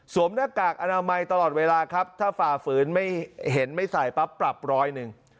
หน้ากากอนามัยตลอดเวลาครับถ้าฝ่าฝืนไม่เห็นไม่ใส่ปั๊บปรับร้อยหนึ่ง